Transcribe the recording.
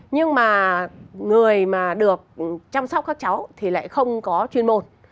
nhưng mà người mà được chăm sóc các cháu thì lại không có chuyên môn